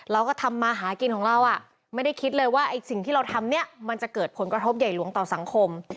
เราก็ทำมาหากินของเราไม่ได้คิดเลยว่าไอ้สิ่งที่เราทำเนี่ยมันจะเกิดผลกระทบใหญ่หลวงต่อสังคม